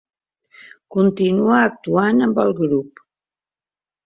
Continua actuant amb el grup.